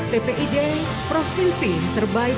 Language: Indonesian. dpid provinsi terbaik dua ribu dua puluh satu